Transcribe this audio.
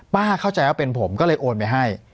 เข้าใจว่าเป็นผมก็เลยโอนไปให้